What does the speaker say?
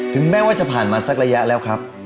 แม้ว่าจะผ่านมาสักระยะแล้วครับ